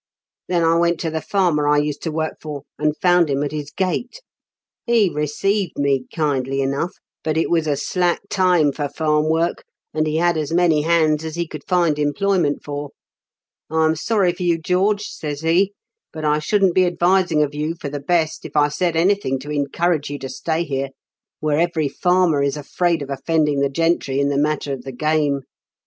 "Then I went to the farmer I used to work for, and found him at his gate. He received me kindly enough, but it was a slack TEE CONVICT'S 8T0BY. 129 time for farm work, and he had as many hands as he could find employment for. "* I am sorry for you, George/ says he ;* but I shouldn't be advising of you for the best if I said anything to encourage you to stay here, where every farmer is afraid of offending the gentry in the matter of the game.